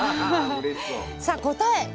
さあ答え